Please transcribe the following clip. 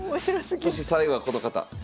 そして最後はこの方。